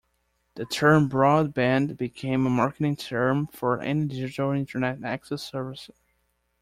The term "broadband" became a marketing term for any digital Internet access service.